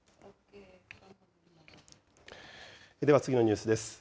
では、次のニュースです。